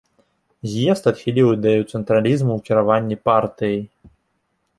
З'езд адхіліў ідэю цэнтралізму ў кіраванні партыяй.